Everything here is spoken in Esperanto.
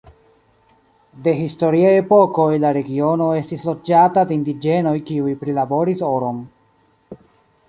De historiaj epokoj la regiono estis loĝata de indiĝenoj kiuj prilaboris oron.